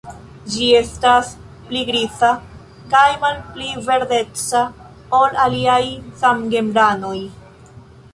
Ĝi estas pli griza kaj malpli verdeca ol aliaj samgenranoj.